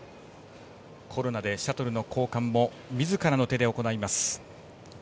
コロナでシャトルの交換も自らの手で行います。